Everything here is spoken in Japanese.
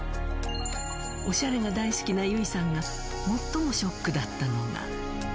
おしゃれが大好きな優生さんが最もショックだったのが。